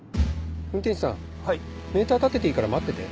運転手さんメーター立てていいから待ってて。